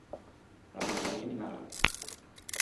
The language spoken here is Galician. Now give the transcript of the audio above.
Tamén os hai que nin arre!